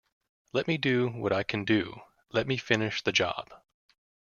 Let me do what I can do... Let me finish the job.